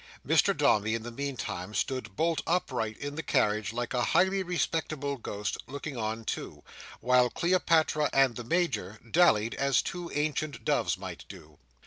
Mr Dombey in the meantime stood bolt upright in the carriage like a highly respectable ghost, looking on too; while Cleopatra and the Major dallied as two ancient doves might do.